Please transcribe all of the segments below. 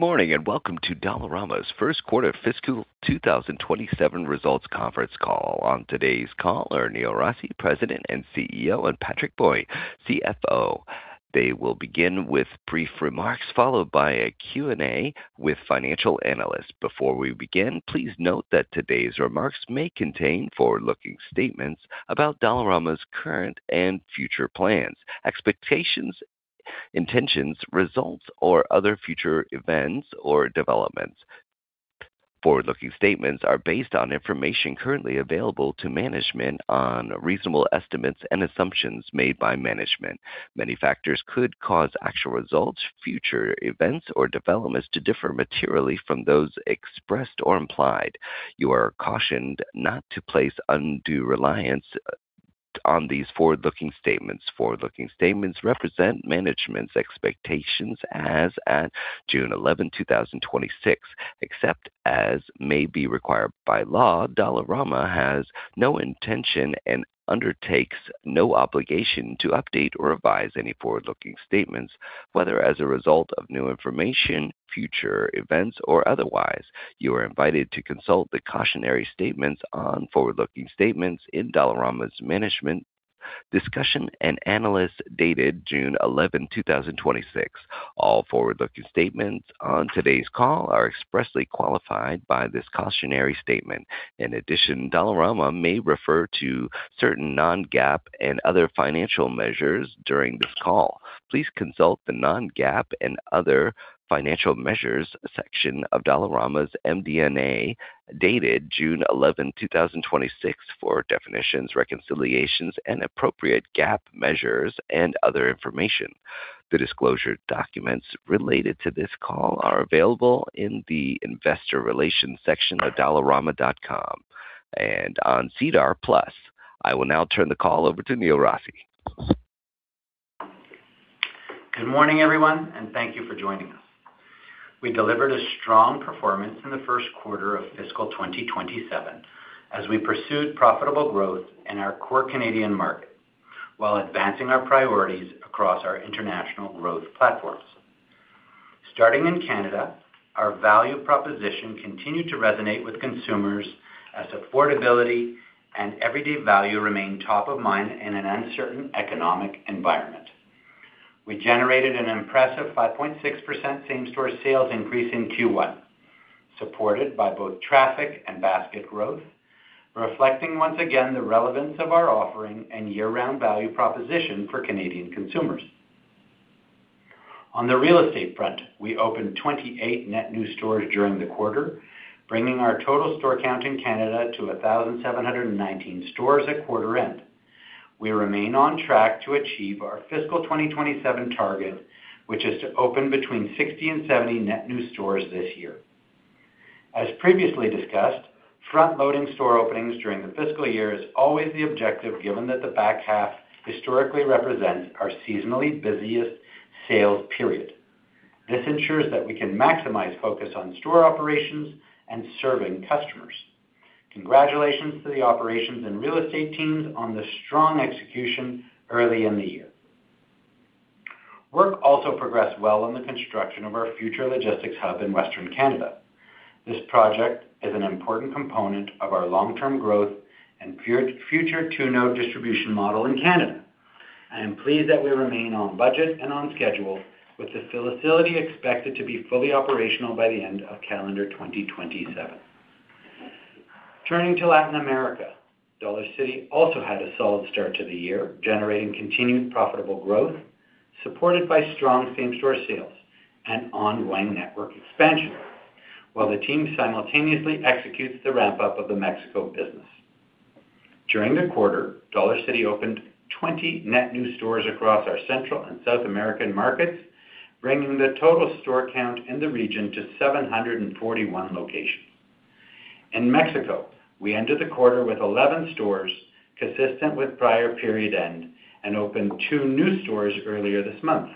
Good morning, and welcome to Dollarama's First Quarter Fiscal 2027 results conference call. On today's call are Neil Rossy, President and CEO, and Patrick Bui, CFO. They will begin with brief remarks, followed by a Q&A with financial analysts. Before we begin, please note that today's remarks may contain forward-looking statements about Dollarama's current and future plans, expectations, intentions, results, or other future events or developments. Forward-looking statements are based on information currently available to management on reasonable estimates and assumptions made by management. Many factors could cause actual results, future events, or developments to differ materially from those expressed or implied. You are cautioned not to place undue reliance on these forward-looking statements. Forward-looking statements represent management's expectations as at June 11, 2026. Except as may be required by law, Dollarama has no intention and undertakes no obligation to update or revise any forward-looking statements, whether as a result of new information, future events, or otherwise. You are invited to consult the cautionary statements on forward-looking statements in Dollarama's management discussion and analysis dated June 11, 2026. All forward-looking statements on today's call are expressly qualified by this cautionary statement. In addition, Dollarama may refer to certain non-GAAP and other financial measures during this call. Please consult the non-GAAP and other financial measures section of Dollarama's MD&A dated June 11, 2026, for definitions, reconciliations and appropriate GAAP measures and other information. The disclosure documents related to this call are available in the investor relations section of dollarama.com and on SEDAR+. I will now turn the call over to Neil Rossy. Good morning, everyone, and thank you for joining us. We delivered a strong performance in the first quarter of fiscal 2027 as we pursued profitable growth in our core Canadian market while advancing our priorities across our international growth platforms. Starting in Canada, our value proposition continued to resonate with consumers as affordability and everyday value remain top of mind in an uncertain economic environment. We generated an impressive 5.6% same-store sales increase in Q1, supported by both traffic and basket growth, reflecting once again the relevance of our offering and year-round value proposition for Canadian consumers. On the real estate front, we opened 28 net new stores during the quarter, bringing our total store count in Canada to 1,719 stores at quarter end. We remain on track to achieve our fiscal 2027 target, which is to open between 60 and 70 net new stores this year. As previously discussed, front-loading store openings during the fiscal year is always the objective, given that the back half historically represents our seasonally busiest sales period. This ensures that we can maximize focus on store operations and serving customers. Congratulations to the operations and real estate teams on this strong execution early in the year. Work also progressed well on the construction of our future logistics hub in Western Canada. This project is an important component of our long-term growth and future two-node distribution model in Canada. I am pleased that we remain on budget and on schedule with the facility expected to be fully operational by the end of calendar 2027. Turning to Latin America, Dollarcity also had a solid start to the year, generating continued profitable growth supported by strong same-store sales and ongoing network expansion while the team simultaneously executes the ramp-up of the Mexico business. During the quarter, Dollarcity opened 20 net new stores across our Central and South American markets, bringing the total store count in the region to 741 locations. In Mexico, we ended the quarter with 11 stores consistent with prior period end and opened two new stores earlier this month.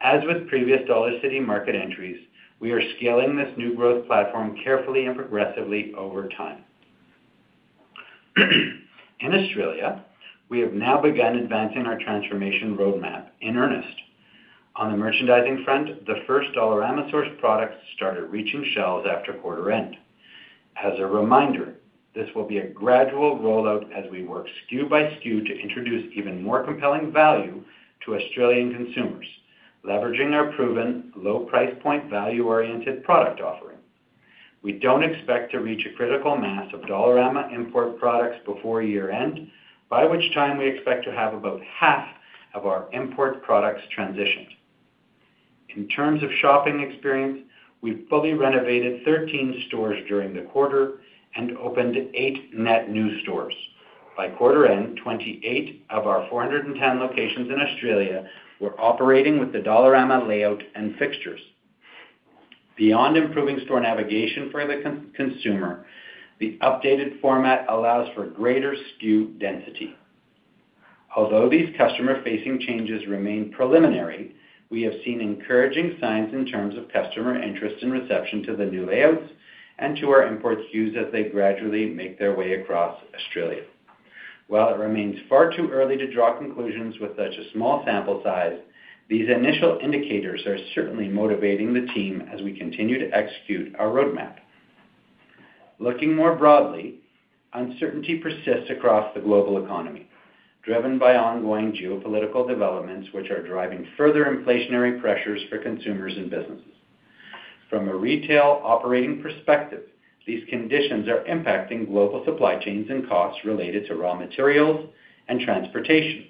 As with previous Dollarcity market entries, we are scaling this new growth platform carefully and progressively over time. In Australia, we have now begun advancing our transformation roadmap in earnest. On the merchandising front, the first Dollarama sourced products started reaching shelves after quarter end. As a reminder, this will be a gradual rollout as we work SKU by SKU to introduce even more compelling value to Australian consumers, leveraging our proven low price point, value-oriented product offering. We don't expect to reach a critical mass of Dollarama import products before year end, by which time we expect to have about half of our import products transitioned. In terms of shopping experience, we've fully renovated 13 stores during the quarter and opened eight net new stores. By quarter end, 28 of our 410 locations in Australia were operating with the Dollarama layout and fixtures. Beyond improving store navigation for the consumer, the updated format allows for greater SKU density. Although these customer-facing changes remain preliminary, we have seen encouraging signs in terms of customer interest and reception to the new layouts and to our imports SKUs as they gradually make their way across Australia. While it remains far too early to draw conclusions with such a small sample size, these initial indicators are certainly motivating the team as we continue to execute our roadmap. Looking more broadly, uncertainty persists across the global economy, driven by ongoing geopolitical developments, which are driving further inflationary pressures for consumers and businesses. From a retail operating perspective, these conditions are impacting global supply chains and costs related to raw materials and transportation.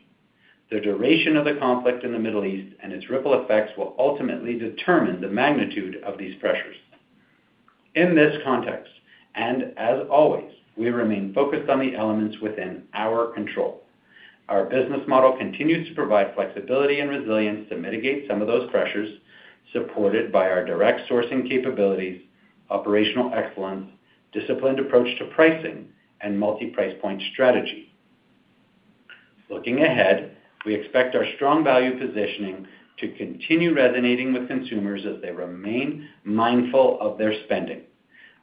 The duration of the conflict in the Middle East and its ripple effects will ultimately determine the magnitude of these pressures. In this context, as always, we remain focused on the elements within our control. Our business model continues to provide flexibility and resilience to mitigate some of those pressures, supported by our direct sourcing capabilities, operational excellence, disciplined approach to pricing, and multi-price point strategy. Looking ahead, we expect our strong value positioning to continue resonating with consumers as they remain mindful of their spending.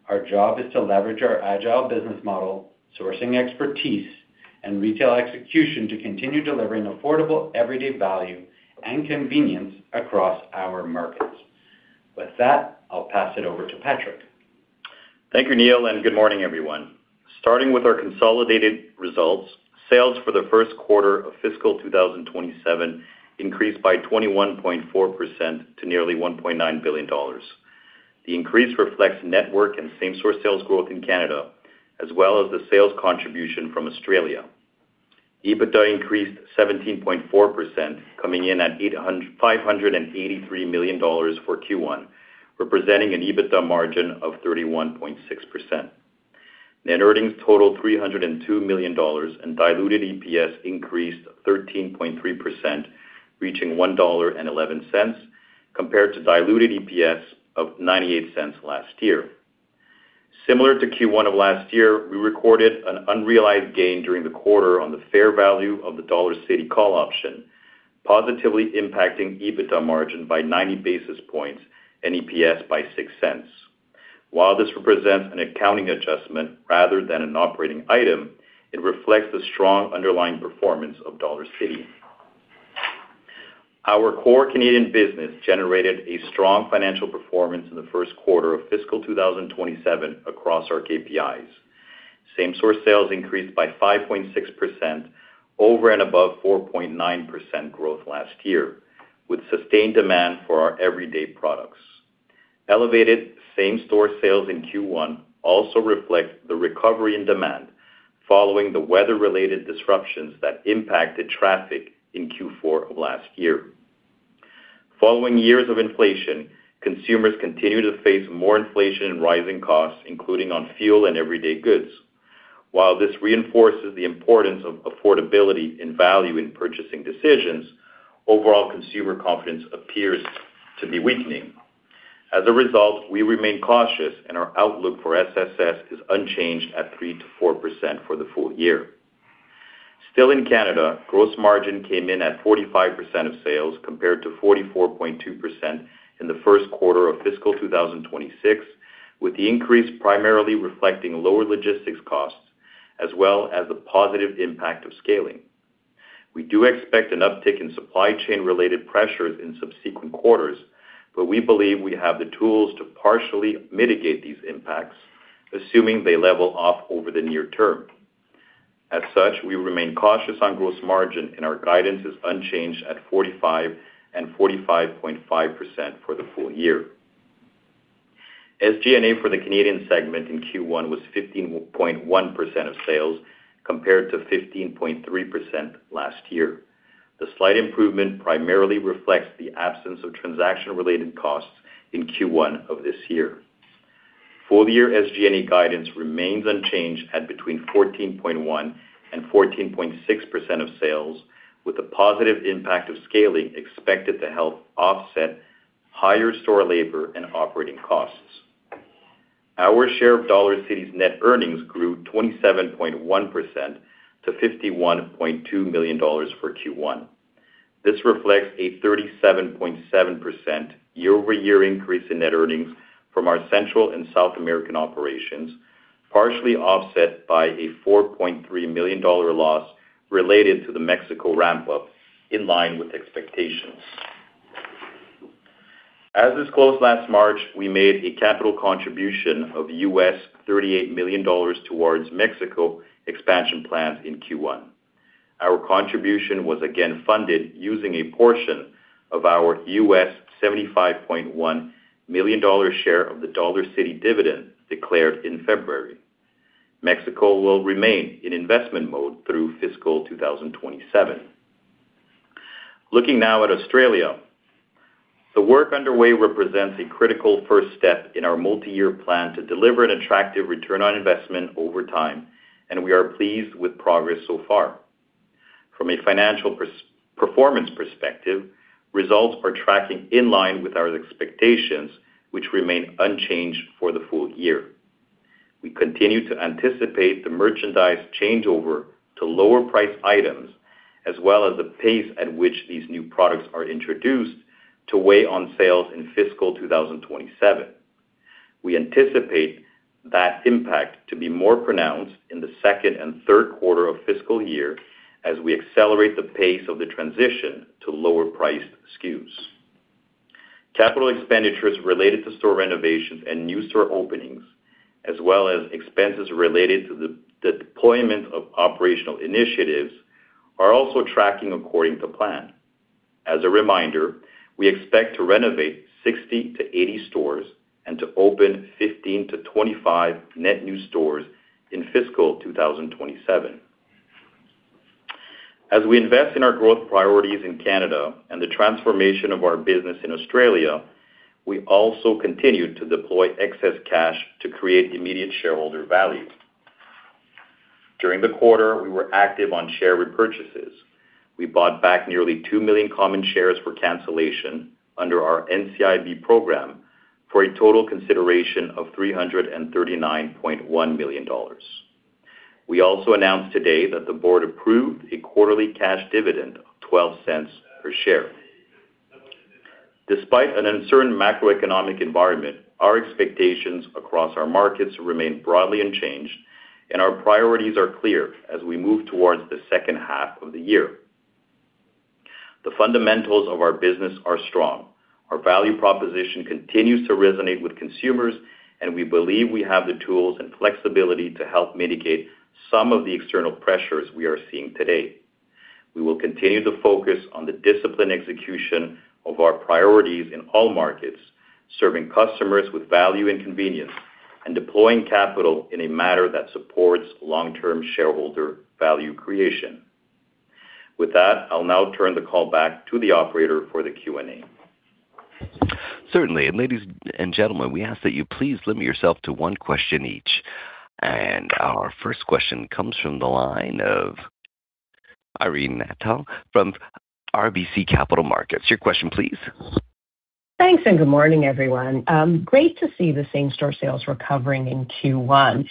Our job is to leverage our agile business model, sourcing expertise, and retail execution to continue delivering affordable everyday value and convenience across our markets. With that, I'll pass it over to Patrick. Thank you, Neil, and good morning, everyone. Starting with our consolidated results, sales for the first quarter of fiscal 2027 increased by 21.4% to nearly 1.9 billion dollars. The increase reflects network and same-store sales growth in Canada, as well as the sales contribution from Australia. EBITDA increased 17.4%, coming in at 583 million dollars for Q1, representing an EBITDA margin of 31.6%. Net earnings totaled 302 million dollars and diluted EPS increased 13.3%, reaching 1.11 dollar compared to diluted EPS of 0.98 last year. Similar to Q1 of last year, we recorded an unrealized gain during the quarter on the fair value of the Dollarcity call option, positively impacting EBITDA margin by 90 basis points and EPS by 0.06. While this represents an accounting adjustment rather than an operating item, it reflects the strong underlying performance of Dollarcity. Our core Canadian business generated a strong financial performance in the first quarter of fiscal 2027 across our KPIs. Same-store sales increased by 5.6% over and above 4.9% growth last year, with sustained demand for our everyday products. Elevated same-store sales in Q1 also reflect the recovery in demand following the weather-related disruptions that impacted traffic in Q4 of last year. Following years of inflation, consumers continue to face more inflation and rising costs, including on fuel and everyday goods. While this reinforces the importance of affordability and value in purchasing decisions, overall consumer confidence appears to be weakening. As a result, we remain cautious and our outlook for SSS is unchanged at 3%-4% for the full year. Still in Canada, gross margin came in at 45% of sales, compared to 44.2% in the first quarter of fiscal 2026, with the increase primarily reflecting lower logistics costs as well as the positive impact of scaling. We do expect an uptick in supply chain-related pressures in subsequent quarters, but we believe we have the tools to partially mitigate these impacts, assuming they level off over the near term. As such, we remain cautious on gross margin, and our guidance is unchanged at 45% and 45.5% for the full year. SG&A for the Canadian segment in Q1 was 15.1% of sales, compared to 15.3% last year. The slight improvement primarily reflects the absence of transaction-related costs in Q1 of this year. Full-year SG&A guidance remains unchanged at between 14.1% and 14.6% of sales, with the positive impact of scaling expected to help offset higher store labor and operating costs. Our share of Dollarcity's net earnings grew 27.1% to 51.2 million dollars for Q1. This reflects a 37.7% year-over-year increase in net earnings from our Central and South American operations, partially offset by a 4.3 million dollar loss related to the Mexico ramp-up, in line with expectations. As disclosed last March, we made a capital contribution of US$38 million towards Mexico expansion plans in Q1. Our contribution was again funded using a portion of our US$75.1 million share of the Dollarcity dividend declared in February. Mexico will remain in investment mode through fiscal 2027. Looking now at Australia, the work underway represents a critical first step in our multi-year plan to deliver an attractive return on investment over time, and we are pleased with progress so far. From a financial performance perspective, results are tracking in line with our expectations, which remain unchanged for the full year. We continue to anticipate the merchandise changeover to lower-priced items, as well as the pace at which these new products are introduced to weigh on sales in fiscal 2027. We anticipate that impact to be more pronounced in the second and third quarter of fiscal year as we accelerate the pace of the transition to lower priced SKUs. Capital expenditures related to store renovations and new store openings, as well as expenses related to the deployment of operational initiatives, are also tracking according to plan. As a reminder, we expect to renovate 60-80 stores and to open 15-25 net new stores in fiscal 2027. As we invest in our growth priorities in Canada and the transformation of our business in Australia, we also continued to deploy excess cash to create immediate shareholder value. During the quarter, we were active on share repurchases. We bought back nearly 2 million common shares for cancellation under our NCIB program for a total consideration of 339.1 million dollars. We also announced today that the board approved a quarterly cash dividend of 0.12 per share. Despite an uncertain macroeconomic environment, our expectations across our markets remain broadly unchanged, and our priorities are clear as we move towards the second half of the year. The fundamentals of our business are strong. Our value proposition continues to resonate with consumers, and we believe we have the tools and flexibility to help mitigate some of the external pressures we are seeing today. We will continue to focus on the disciplined execution of our priorities in all markets, serving customers with value and convenience, and deploying capital in a manner that supports long-term shareholder value creation. With that, I'll now turn the call back to the operator for the Q&A. Certainly. Ladies and gentlemen, we ask that you please limit yourself to one question each. Our first question comes from the line of Irene Nattel from RBC Capital Markets. Your question, please. Thanks. Good morning, everyone. Great to see the same-store sales recovering in Q1.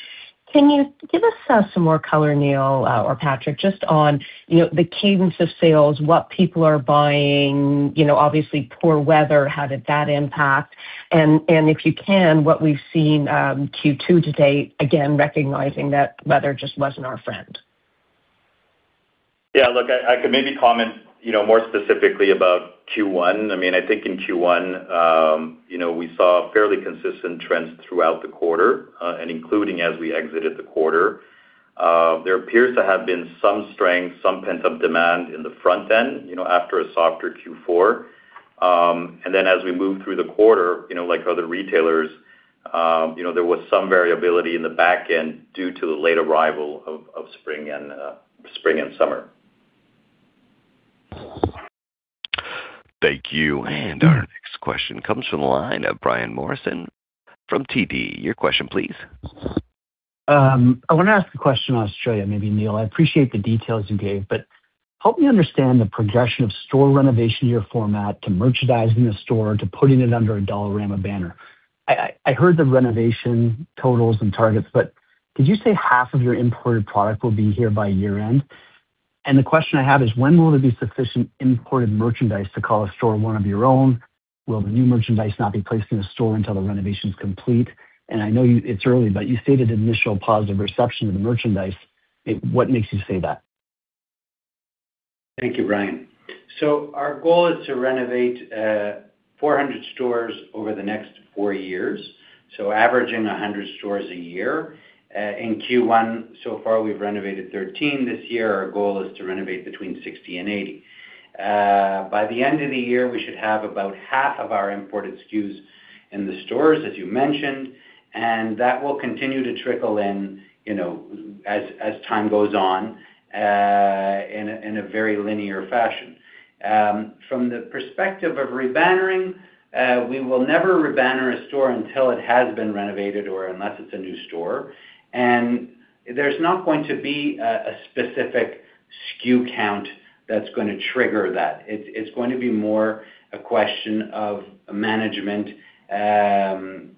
Can you give us some more color, Neil or Patrick, just on the cadence of sales, what people are buying, obviously poor weather, how did that impact, and if you can, what we've seen Q2 to date, again, recognizing that weather just wasn't our friend. Yeah, look, I could maybe comment more specifically about Q1. I think in Q1, we saw fairly consistent trends throughout the quarter, including as we exited the quarter. There appears to have been some strength, some pent-up demand in the front end, after a softer Q4. As we moved through the quarter, like other retailers, there was some variability in the back end due to the late arrival of spring and summer. Thank you. Our next question comes from the line of Brian Morrison from TD. Your question, please. I want to ask a question on Australia, maybe, Neil. I appreciate the details you gave, but help me understand the progression of store renovation to your format, to merchandising the store, to putting it under a Dollarama banner. I heard the renovation totals and targets, but did you say half of your imported product will be here by year-end? The question I have is, when will there be sufficient imported merchandise to call a store one of your own? Will the new merchandise not be placed in the store until the renovation's complete? I know it's early, but you stated initial positive reception to the merchandise. What makes you say that? Thank you, Brian. Our goal is to renovate 400 stores over the next four years, averaging 100 stores a year. In Q1, so far, we've renovated 13 this year. Our goal is to renovate between 60 and 80. By the end of the year, we should have about half of our imported SKUs in the stores, as you mentioned, and that will continue to trickle in as time goes on in a very linear fashion. From the perspective of rebannering, we will never rebanner a store until it has been renovated or unless it's a new store. There's not going to be a specific SKU count that's going to trigger that. It's going to be more a question of management from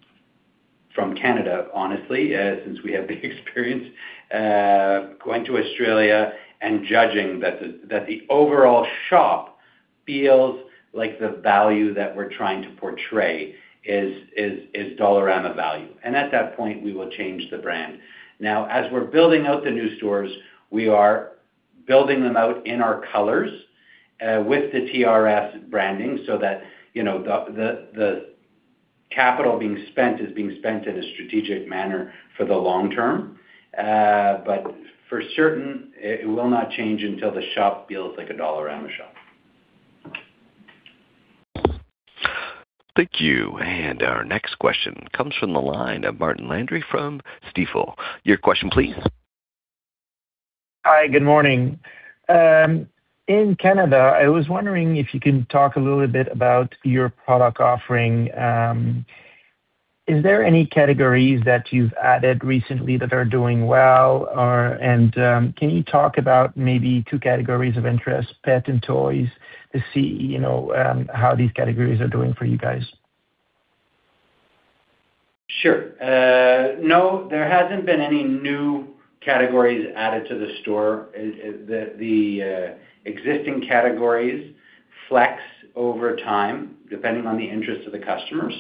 Canada, honestly, since we have the experience, going to Australia and judging that the overall shop feels like the value that we're trying to portray is Dollarama value. At that point, we will change the brand. As we're building out the new stores, we are building them out in our colors with the TRS branding so that the capital being spent is being spent in a strategic manner for the long term. For certain, it will not change until the shop feels like a Dollarama shop. Thank you. Our next question comes from the line of Martin Landry from Stifel. Your question, please. Hi, good morning. In Canada, I was wondering if you can talk a little bit about your product offering. Is there any categories that you've added recently that are doing well? Can you talk about maybe two categories of interest, pet and toys, to see how these categories are doing for you guys? Sure. No, there hasn't been any new categories added to the store. The existing categories flex over time, depending on the interest of the customer.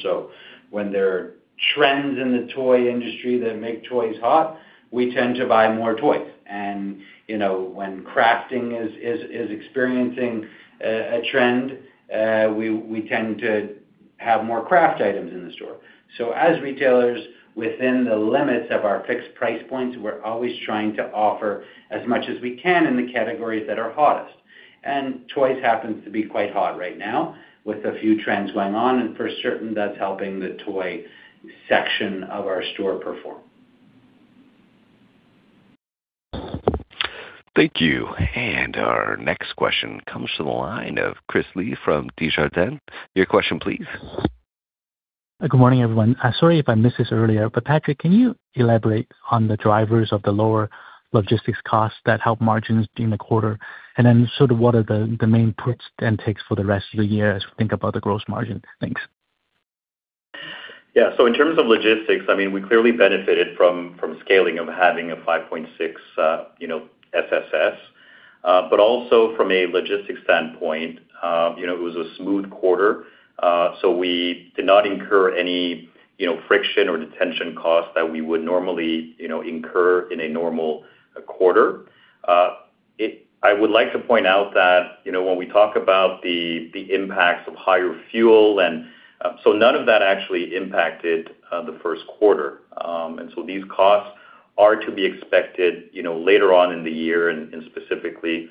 When there are trends in the toy industry that make toys hot, we tend to buy more toys. When crafting is experiencing a trend, we tend to have more craft items in the store. As retailers, within the limits of our fixed price points, we're always trying to offer as much as we can in the categories that are hottest. Toys happens to be quite hot right now, with a few trends going on, and for certain, that's helping the toy section of our store perform. Thank you. Our next question comes to the line of Chris Li from Desjardins. Your question please. Good morning, everyone. Sorry if I missed this earlier, Patrick, can you elaborate on the drivers of the lower logistics costs that help margins during the quarter, and then sort of what are the main puts and takes for the rest of the year as we think about the gross margin? Thanks. In terms of logistics, we clearly benefited from scaling of having a 5.6% SSS. From a logistics standpoint, it was a smooth quarter. We did not incur any friction or detention costs that we would normally incur in a normal quarter. I would like to point out that when we talk about the impacts of higher fuel, none of that actually impacted the first quarter. These costs are to be expected later on in the year and specifically,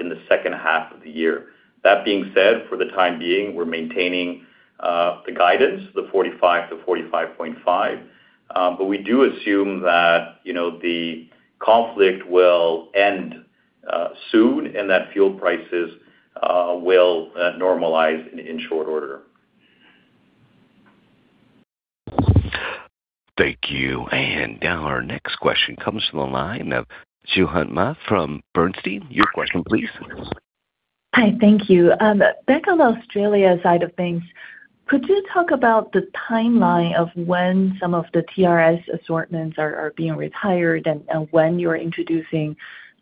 in the second half of the year. That being said, for the time being, we're maintaining the guidance, the 45%-45.5%. We do assume that the conflict will end soon and that fuel prices will normalize in short order. Thank you. Now our next question comes from the line of Zhihan Ma from Bernstein. Your question please. Hi, thank you. Back on the Australia side of things, could you talk about the timeline of when some of the TRS assortments are being retired and when you're introducing the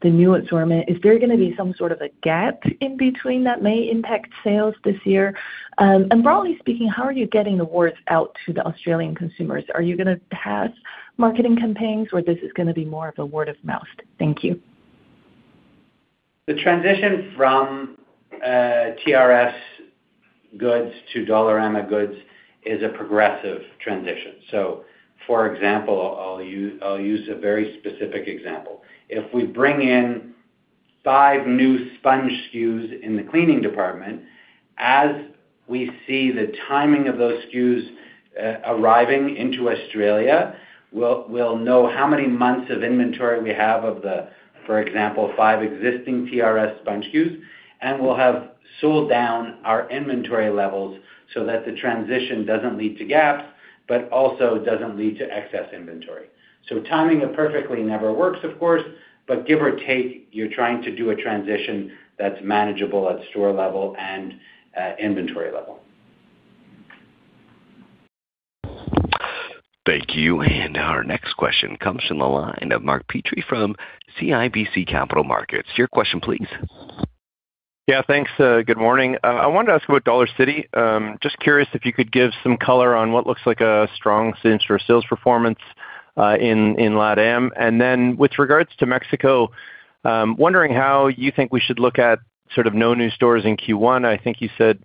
new assortment? Is there gonna be some sort of a gap in between that may impact sales this year? Broadly speaking, how are you getting the words out to the Australian consumers? Are you gonna have marketing campaigns or this is gonna be more of a word of mouth? Thank you. The transition from TRS goods to Dollarama goods is a progressive transition. For example, I'll use a very specific example. If we bring in five new sponge SKUs in the cleaning department, as we see the timing of those SKUs arriving into Australia, we'll know how many months of inventory we have of the, for example, five existing TRS sponge SKUs, and we'll have sold down our inventory levels so that the transition doesn't lead to gaps, but also doesn't lead to excess inventory. Timing it perfectly never works, of course, but give or take, you're trying to do a transition that's manageable at store level and inventory level. Thank you. Our next question comes from the line of Mark Petrie from CIBC Capital Markets. Your question please. Yeah, thanks. Good morning. I wanted to ask about Dollarcity. Just curious if you could give some color on what looks like a strong same-store sales performance in LATAM. With regards to Mexico, wondering how you think we should look at sort of no new stores in Q1. I think you said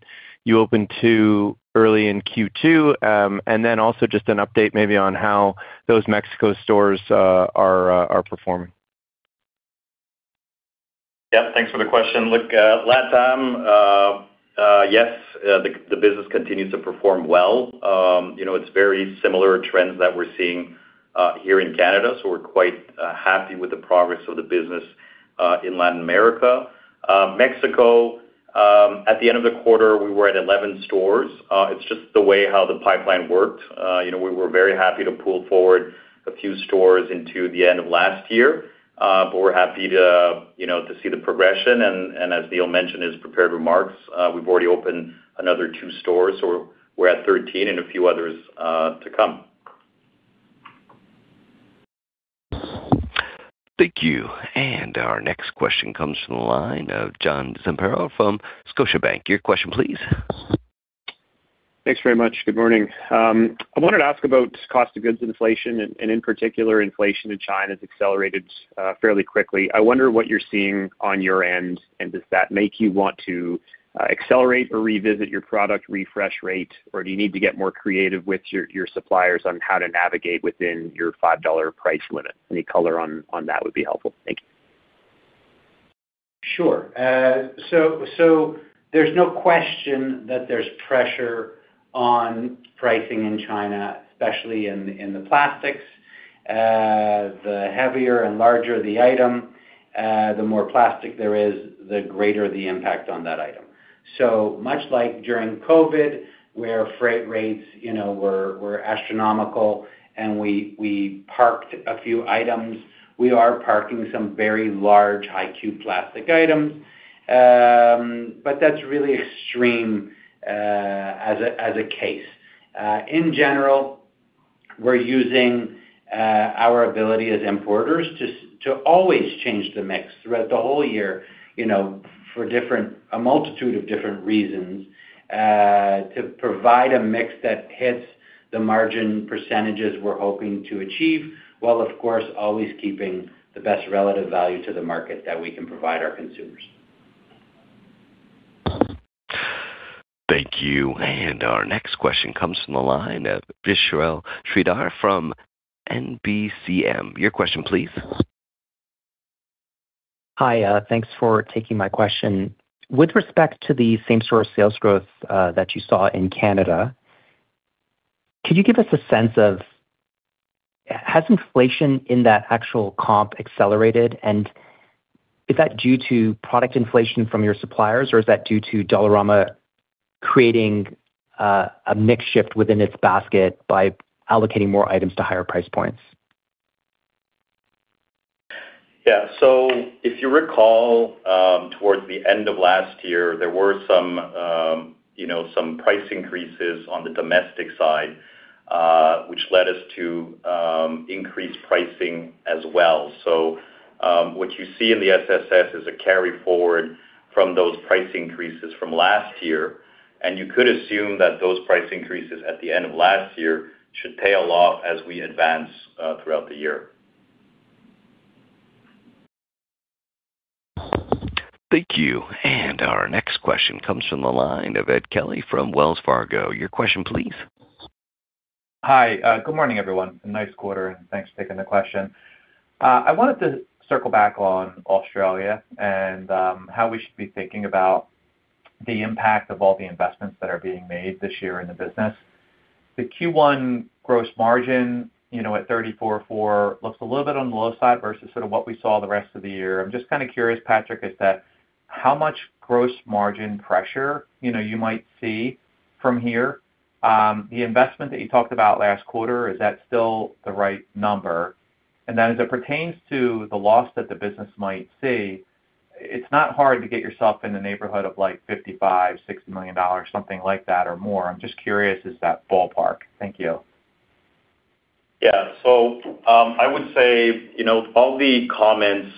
you open two early in Q2. Also just an update maybe on how those Mexico stores are performing. Yeah. Thanks for the question. Look, LATAM, yes, the business continues to perform well. It's very similar trends that we're seeing here in Canada. We're quite happy with the progress of the business in Latin America. Mexico, at the end of the quarter, we were at 11 stores. It's just the way how the pipeline worked. We were very happy to pull forward a few stores into the end of last year. We're happy to see the progression and as Neil mentioned in his prepared remarks, we've already opened another two stores, so we're at 13 and a few others to come. Thank you. Our next question comes from the line of John Zamparo from Scotiabank. Your question please. Thanks very much. Good morning. I wanted to ask about cost of goods inflation and in particular, inflation in China has accelerated fairly quickly. I wonder what you're seeing on your end, and does that make you want to accelerate or revisit your product refresh rate, or do you need to get more creative with your suppliers on how to navigate within your 5 dollar price limit? Any color on that would be helpful. Thank you. Sure. There's no question that there's pressure on pricing in China, especially in the plastics. The heavier and larger the item, the more plastic there is, the greater the impact on that item. Much like during COVID, where freight rates were astronomical and we parked a few items, we are parking some very large, high cube plastic items. That's really extreme as a case. In general, we're using our ability as importers to always change the mix throughout the whole year for a multitude of different reasons, to provide a mix that hits the margin percentages we're hoping to achieve, while of course always keeping the best relative value to the market that we can provide our consumers. Thank you. Our next question comes from the line of Vishal Shreedhar from National Bank Financial. Your question, please. Hi. Thanks for taking my question. With respect to the same-store sales growth that you saw in Canada, could you give us a sense of, has inflation in that actual comp accelerated? Is that due to product inflation from your suppliers, or is that due to Dollarama creating a mix shift within its basket by allocating more items to higher price points? Yeah. If you recall, towards the end of last year, there were some price increases on the domestic side, which led us to increase pricing as well. What you see in the SSS is a carry forward from those price increases from last year, you could assume that those price increases at the end of last year should tail off as we advance throughout the year. Thank you. Our next question comes from the line of Edward Kelly from Wells Fargo. Your question, please. Hi. Good morning, everyone. A nice quarter, and thanks for taking the question. I wanted to circle back on Australia and how we should be thinking about the impact of all the investments that are being made this year in the business. The Q1 gross margin at 34.4% looks a little bit on the low side versus sort of what we saw the rest of the year. I'm just kind of curious, Patrick, how much gross margin pressure you might see from here? The investment that you talked about last quarter, is that still the right number? As it pertains to the loss that the business might see, it's not hard to get yourself in the neighborhood of like 55 million-60 million dollars, something like that, or more. I'm just curious, is that ballpark? Thank you. Yeah. I would say, all the comments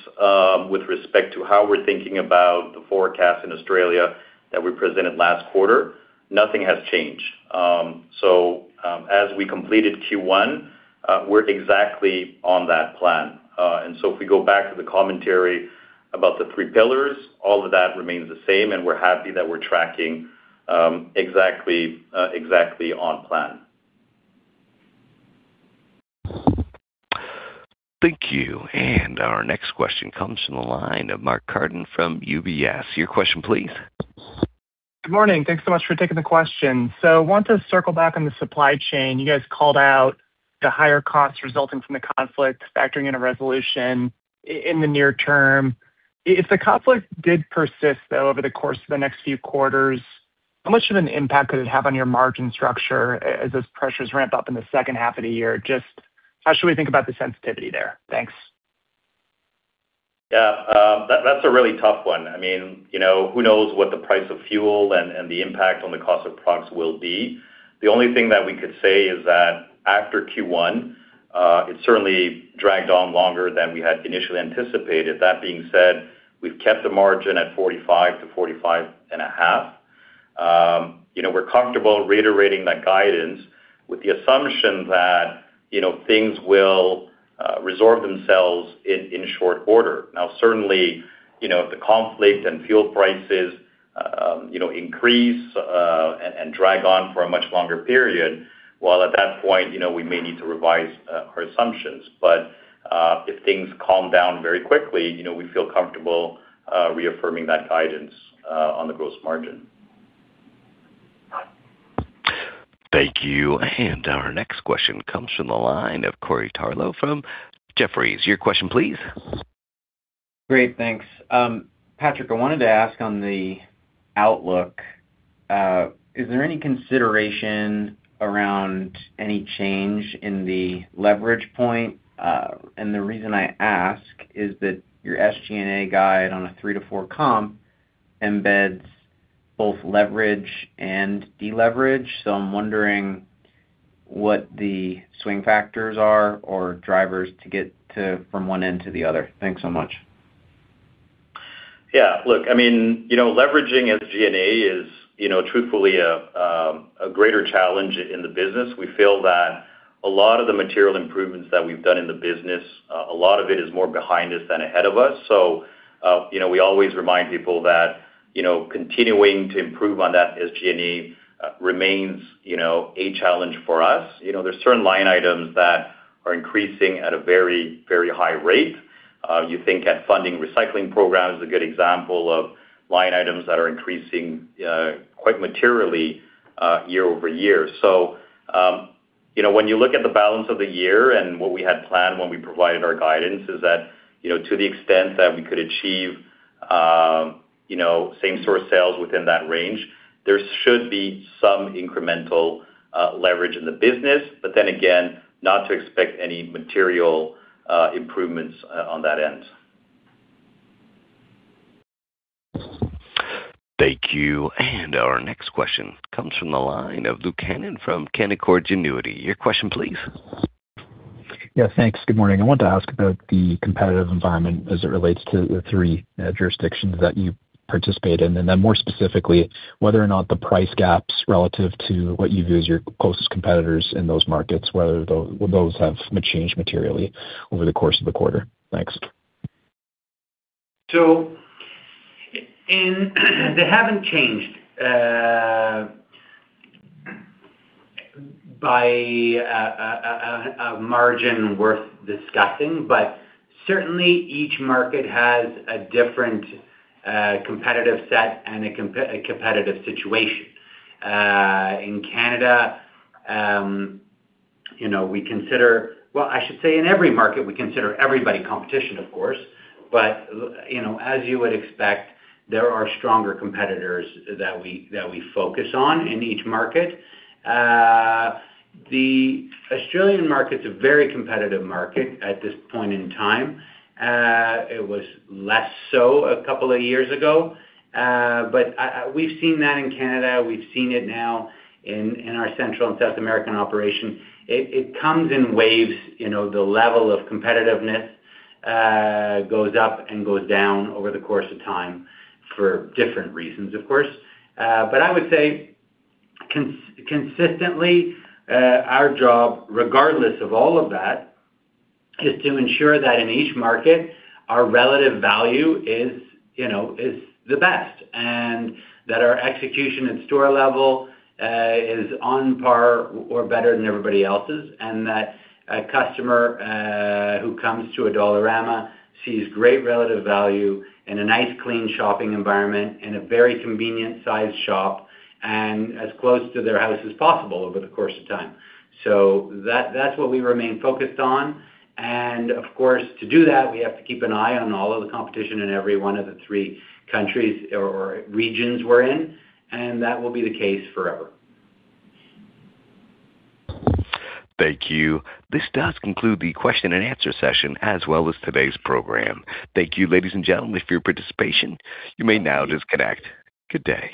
with respect to how we're thinking about the forecast in Australia that we presented last quarter, nothing has changed. As we completed Q1, we're exactly on that plan. If we go back to the commentary about the three pillars, all of that remains the same, and we're happy that we're tracking exactly on plan. Thank you. Our next question comes from the line of Mark Carden from UBS. Your question, please. Good morning. Thanks so much for taking the question. I want to circle back on the supply chain. You guys called out the higher costs resulting from the conflict, factoring in a resolution in the near term. If the conflict did persist, though, over the course of the next few quarters, how much of an impact could it have on your margin structure as those pressures ramp up in the second half of the year? Just how should we think about the sensitivity there? Thanks. Yeah. That's a really tough one. Who knows what the price of fuel and the impact on the cost of products will be. The only thing that we could say is that after Q1, it certainly dragged on longer than we had initially anticipated. That being said, we've kept the margin at 45%-45.5%. We're comfortable reiterating that guidance with the assumption that things will resolve themselves in short order. Certainly, if the conflict and fuel prices increase and drag on for a much longer period, while at that point, we may need to revise our assumptions. If things calm down very quickly, we feel comfortable reaffirming that guidance on the gross margin. Thank you. Our next question comes from the line of Corey Tarlowe from Jefferies. Your question, please. Great, thanks. Patrick, I wanted to ask on the outlook, is there any consideration around any change in the leverage point? The reason I ask is that your SG&A guide on a 3%-4% comp embeds both leverage and deleverage, I'm wondering what the swing factors are or drivers to get from one end to the other. Thanks so much. Yeah. Leveraging SG&A is truthfully a greater challenge in the business. We feel that a lot of the material improvements that we've done in the business, a lot of it is more behind us than ahead of us. We always remind people that continuing to improve on that SG&A remains a challenge for us. There's certain line items that are increasing at a very high rate. You think at funding recycling programs, a good example of line items that are increasing quite materially year-over-year. When you look at the balance of the year and what we had planned when we provided our guidance is that, to the extent that we could achieve same-store sales within that range, there should be some incremental leverage in the business, but then again, not to expect any material improvements on that end. Thank you. Our next question comes from the line of Luke Hannan from Canaccord Genuity. Your question, please. Yeah, thanks. Good morning. I wanted to ask about the competitive environment as it relates to the three jurisdictions that you participate in, and then more specifically, whether or not the price gaps relative to what you view as your closest competitors in those markets, whether those have changed materially over the course of the quarter. Thanks. They haven't changed by a margin worth discussing. Certainly, each market has a different competitive set and a competitive situation. In Canada, I should say in every market, we consider everybody competition, of course. As you would expect, there are stronger competitors that we focus on in each market. The Australian market is a very competitive market at this point in time. It was less so a couple of years ago. We've seen that in Canada, we've seen it now in our Central and South American operation. It comes in waves, the level of competitiveness goes up and goes down over the course of time for different reasons, of course. I would say consistently, our job, regardless of all of that, is to ensure that in each market, our relative value is the best, and that our execution at store level is on par or better than everybody else's, and that a customer who comes to a Dollarama sees great relative value in a nice, clean shopping environment, in a very convenient-sized shop, and as close to their house as possible over the course of time. That's what we remain focused on. Of course, to do that, we have to keep an eye on all of the competition in every one of the three countries or regions we're in, and that will be the case forever. Thank you. This does conclude the question and answer session, as well as today's program. Thank you, ladies and gentlemen, for your participation. You may now disconnect. Good day.